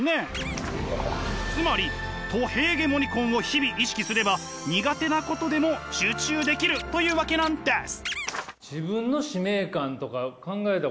つまりト・ヘーゲモニコンを日々意識すれば苦手なことでも集中できるというわけなんです！